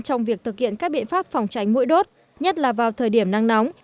trong việc thực hiện các biện pháp phòng tránh mũi đốt nhất là vào thời điểm nắng nóng